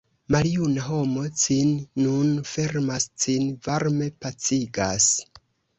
Maljuna homo cin nun fermas, cin varme pacigas.